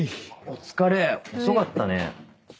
お疲れ遅かったね。